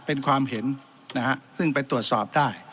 เป็นความเห็นนะฮะซึ่งไปตรวจสอบได้